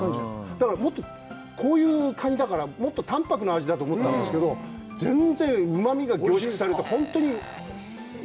だから、もっとこういうカニだから、もっと淡白な味だと思ったんですけど、全然うまみが凝縮されて。